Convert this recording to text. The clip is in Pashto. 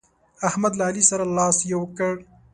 احمد له علي سره لاس يو کړ.